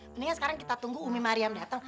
mendingan sekarang kita tunggu umi mariam datang